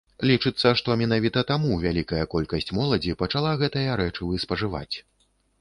Лічыцца, што менавіта таму вялікая колькасць моладзі пачала гэтыя рэчывы спажываць.